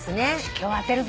今日当てるぞ。